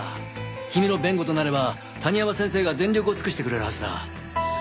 君の弁護となれば谷浜先生が全力を尽くしてくれるはずだ。